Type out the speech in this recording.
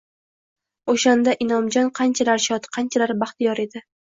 O`shanda Inomjon qanchalar shod, qanchalar baxtiyor edi